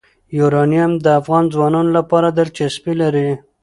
یورانیم د افغان ځوانانو لپاره دلچسپي لري.